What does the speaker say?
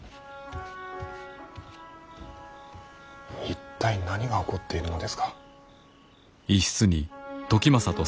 一体何が起こっているのですか。